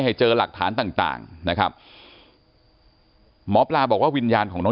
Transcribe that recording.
ให้เจอหลักฐานต่างต่างนะครับหมอปลาบอกว่าวิญญาณของน้อง